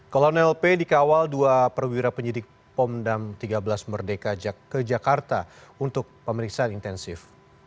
kolonel p dikawal dua perwira penyidik pomdam tiga belas merdeka ke jakarta untuk pemeriksaan intensif